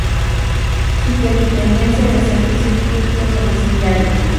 Superintendencia de Servicios Públicos Domiciliarios.